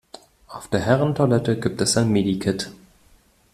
Auf der Herren-Toilette gibt es ein Medi-Kit.